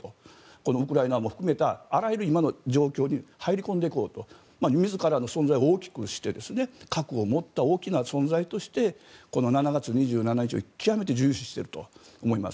このウクライナも含めたあらゆる今の状況に入り込んでいこうと自らの存在を大きくして核を持った大きな存在としてこの７月２７日を極めて重視していると思います。